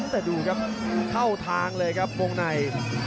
แต่ดูครับเข้าทางเลยครับวงใน